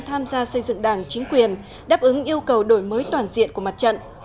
tham gia xây dựng đảng chính quyền đáp ứng yêu cầu đổi mới toàn diện của mặt trận